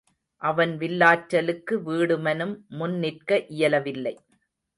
அவன் வில்லாற்றலுக்கு வீடுமனும் முன் நிற்க இயலவில்லை.